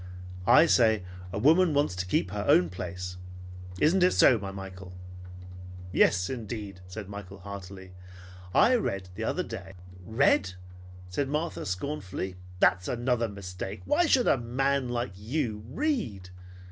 I say a woman wants to keep to her own place. Isn't it so, my Michael?" "Yes, indeed," said Michael heartily. "I read the other day " "Read!" said Martha scornfully. "That's another mistake. Why should a man like you read?